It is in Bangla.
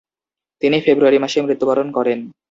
তিনি ফেব্রুয়ারি মাসে মৃত্যুবরণ করেন।